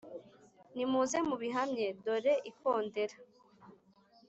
nimuze mubihamye; dore ikondera.